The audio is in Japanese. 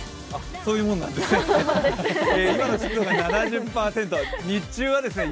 そういうものなんですね。